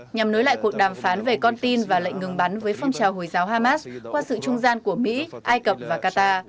nhằm nối lại cuộc đàm phán về con tin và lệnh ngừng bắn với phong trào hồi giáo hamas qua sự trung gian của mỹ ai cập và qatar